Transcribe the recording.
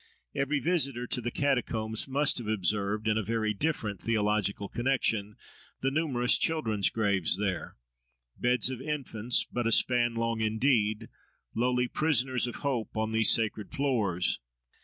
Every visitor to the Catacombs must have observed, in a very different theological connexion, the numerous children's graves there—beds of infants, but a span long indeed, lowly "prisoners of hope," on these sacred floors.